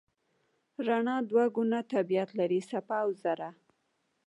رڼا دوه ګونه طبیعت لري: څپه او ذره.